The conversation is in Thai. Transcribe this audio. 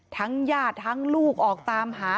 ญาติทั้งลูกออกตามหา